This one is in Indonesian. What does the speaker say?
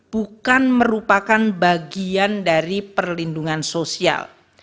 bukan merupakan bagian dari perlindungan sosial